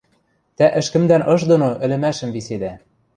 Тӓ ӹшкӹмдӓн ыш доно ӹлӹмӓшӹм виседӓ.